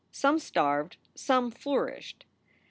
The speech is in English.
Some starved, some flourished.